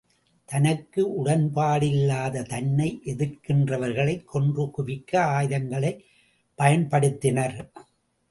தனக்கு உடன்பாடிலாத தன்னை எதிர்க்கின்றவர்களைக் கொன்று குவிக்க ஆயுதங்களைப் பயன்படுத்தினர்.